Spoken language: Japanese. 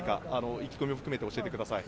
意気込みを含めて教えてください。